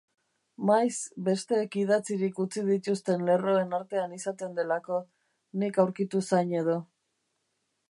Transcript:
Maiz besteek idatzirik utzi dituzten lerroen artean izaten delako, nik aurkitu zain edo